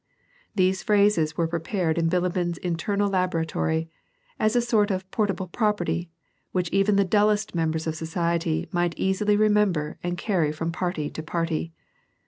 These phrases were prepared in Bilibin's internal laboratory, as a sort of port able property, which even the dullest members of society might easily remember and carry from party to party.